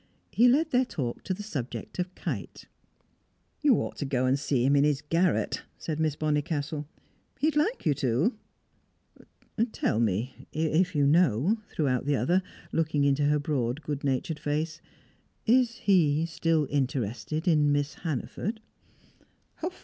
He led their talk to the subject of Kite. "You ought to go and see him in his garret," said Miss Bonnicastle. "He'd like you to." "Tell me, if you know," threw out the other, looking into her broad, good natured face. "Is he still interested in Miss Hannaford?"